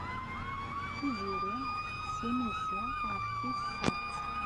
Tiziri tettett imensi ɣef tis sat.